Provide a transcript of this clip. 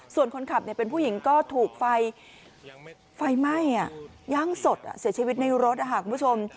ส่วนคนขับเป็นผู้หญิงก็ถูกไฟไหม้ย่างสดเสียชีวิตในรถคุณผู้ชม